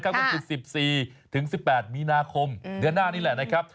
วันที่๑๔๑๘มีนาคมเดือนหน้านี้แหละ